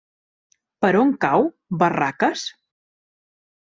Per on cau Barraques?